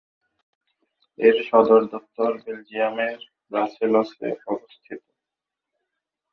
এর সদর দপ্তর বেলজিয়ামের ব্রাসেলসে অবস্থিত।